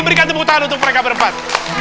berikan tepuk tangan untuk mereka berempat